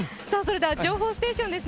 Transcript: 情報ステーションです。